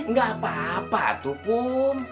gak apa apa atukum